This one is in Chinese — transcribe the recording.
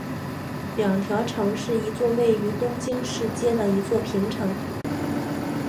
二条城是一座位于京都市街的一座平城。